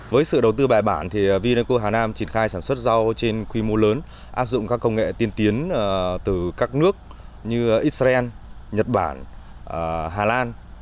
với sự đầu tư bài bản vineco hà nam triển khai sản xuất rau trên quy mô lớn áp dụng các công nghệ tiên tiến từ các nước như israel nhật bản hà lan